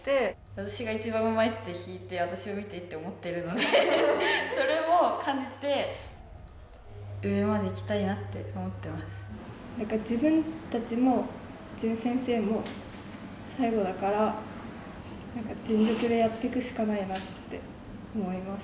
私が一番うまいって弾いて私を見てって思ってるのでそれを感じてなんか自分たちも淳先生も最後だから全力でやってくしかないなって思います。